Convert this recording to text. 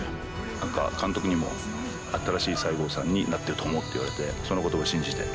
何か監督にも新しい西郷さんになっていると思うって言われてその言葉信じて。